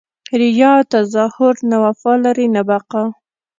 ریاء او تظاهر نه وفا لري نه بقاء!